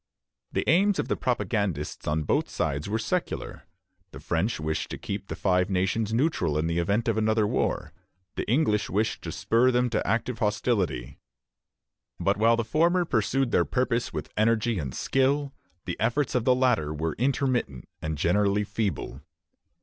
" The aims of the propagandists on both sides were secular. The French wished to keep the Five Nations neutral in the event of another war; the English wished to spur them to active hostility; but while the former pursued their purpose with energy and skill, the efforts of the latter were intermittent and generally feeble.